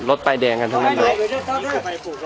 รถปลายแดงกันทั้งนั้นอยู่